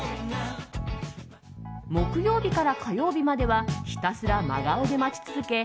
木曜日から火曜日まではひたすら真顔で待ち続け